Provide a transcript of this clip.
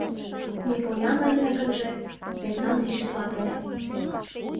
— Ме поян ыльна гынже, мемнам лишитлат ыле.